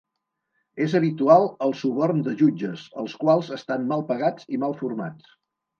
És habitual el suborn de jutges, els quals estan mal pagats i mal formats.